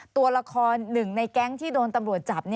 ตัวละครหนึ่งในแก๊งที่โดนตำรวจจับ